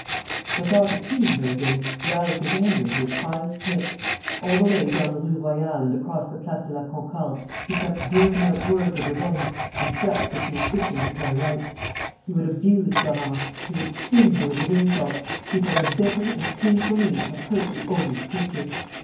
The thought of seeing her again roused his anger to its highest pitch. All the way down the Rue Royale and across the Place de la Concorde he kept blurting out words of revenge and threats which he was itching to carry out. He would abuse Florence. He would sting her with his insults. He felt a bitter and painful need to hurt the odious creature.